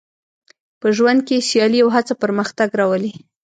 په ژوند کې سیالي او هڅه پرمختګ راولي.